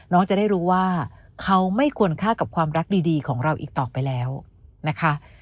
จะได้รู้ว่าเขาไม่ควรฆ่ากับความรักดีของเราอีกต่อไปแล้วนะคะ